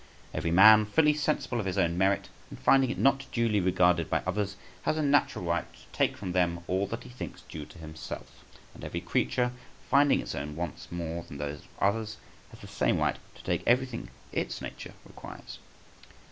Every man, fully sensible of his own merit, and finding it not duly regarded by others, has a natural right to take from them all that he thinks due to himself; and every creature, finding its own wants more than those of others, has the same right to take everything its nature requires.